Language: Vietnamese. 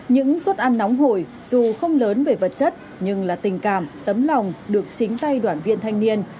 những suất ăn nóng hổi dù không lớn về vật chất nhưng là tình cảm tấm lòng được chính tay đoạn viện thanh niên